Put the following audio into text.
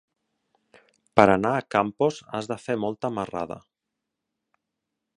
Per anar a Campos has de fer molta marrada.